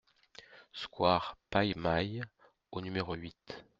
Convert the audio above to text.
Square Paille-Maille au numéro huit